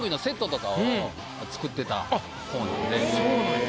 あっそうなんや。